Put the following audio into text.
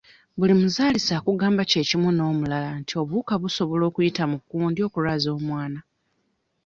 Buli muzaalisa akugamba kye kimu n'omulala nti obuwuka busobola okuyita mu kundi okulwaza omwana.